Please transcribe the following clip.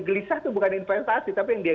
gelisah itu bukan investasi tapi yang dia